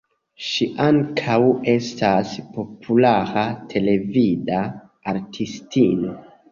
Ŝi ankaŭ estas populara televida artistino.